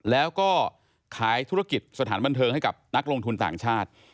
แล้วก็ขายธุรกิจสถานบันเทิงให้กับนักลงทุนต่างชาติ